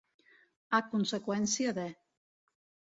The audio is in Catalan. A conseqüència de.